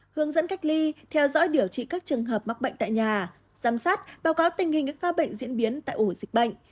hướng dẫn cách ly theo dõi điều trị các trường hợp mắc bệnh tại nhà giám sát báo cáo tình hình các ca bệnh diễn biến tại ổ dịch bệnh